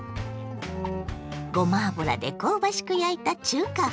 ごま油で香ばしく焼いた中華風ソテー。